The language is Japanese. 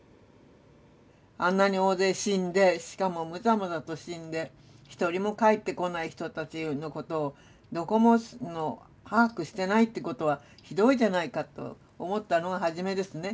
あんなに大勢死んでしかもむざむざと死んで一人も帰ってこない人たちのことをどこも把握してないってことはひどいじゃないかと思ったのがはじめですね。